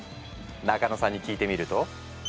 中野さんに聞いてみると。